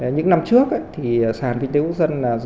những năm trước thì sàn viên tiêu dân